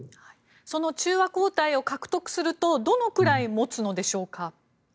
その中和抗体を獲得するとどのくらい持つのでしょうか？